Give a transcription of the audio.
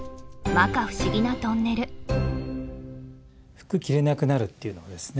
服が着れなくなるっていうのはですね